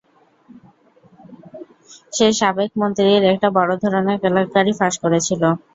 সে সাবেক মন্ত্রীর একটা বড় ধরনের কেলেঙ্কারি ফাঁস করেছিল।